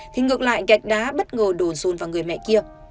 thì ngược lại gạch đá bất ngờ đồn run vào người mẹ kia